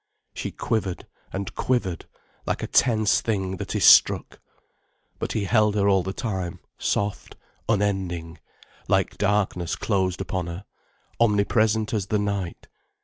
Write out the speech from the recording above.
She quivered, and quivered, like a tense thing that is struck. But he held her all the time, soft, unending, like darkness closed upon her, omnipresent as the night.